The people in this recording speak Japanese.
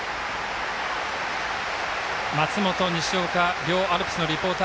松本、西岡両アルプスからのリポート。